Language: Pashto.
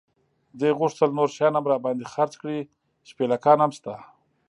دې غوښتل نور شیان هم را باندې خرڅ کړي، شپلېکان هم شته.